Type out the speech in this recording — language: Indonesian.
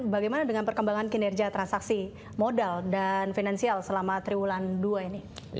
bagaimana dengan perkembangan kinerja transaksi modal dan finansial selama triwulan dua ini